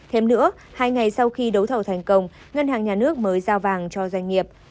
hai ngày sau khi đấu thầu thành công ngân hàng nhà nước mới giao vàng cho doanh nghiệp